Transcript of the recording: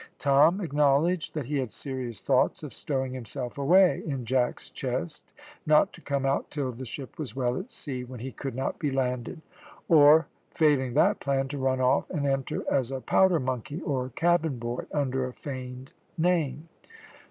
Tom acknowledged that he had serious thoughts of stowing himself away in Jack's chest, not to come out till the ship was well at sea when he could not be landed; or, failing that plan, to run off and enter as a powder monkey or cabin boy under a feigned tame.